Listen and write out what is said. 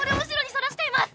そらしています